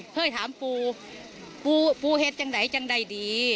เฮ้ยถามปูปูเห็นจังไหนจังไหนดี